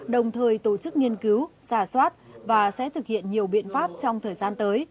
đồng thời tổ chức nghiên cứu xà xoát và sẽ thực hiện nhiều biện pháp trong thời gian tới